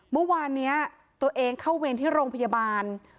เมื่อวานนี้ตัวเองเข้าเวรที่โรงพยาบาล